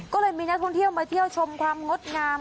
ก็เลยมีนักท่องเที่ยวมาเที่ยวชมความงดงาม